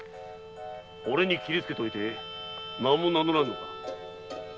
俺に斬りつけておいて名も名乗らんのか。